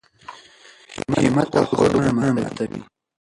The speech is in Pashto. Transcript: همت او هوډ غرونه ماتوي.